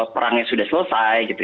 perangnya sudah selesai